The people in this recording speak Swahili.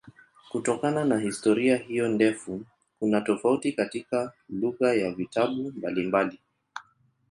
Kutokana na historia hiyo ndefu kuna tofauti katika lugha ya vitabu mbalimbali.